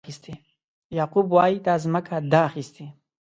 یعقوب وایي دا ځمکه ده اخیستې.